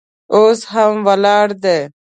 اوس هم ولاړ دی.